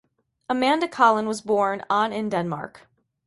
Amanda Collin was born on in Denmark.